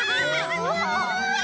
うわ！